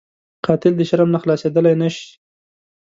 قاتل د شرم نه خلاصېدلی نه شي